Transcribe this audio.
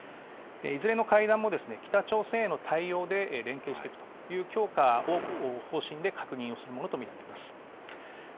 いずれの会談も、北朝鮮への対応で連携していくという強化を、方針で確認をするものと見られます。